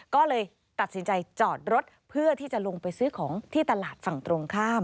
ก็เลยตัดสินใจจอดรถเพื่อที่จะลงไปซื้อของที่ตลาดฝั่งตรงข้าม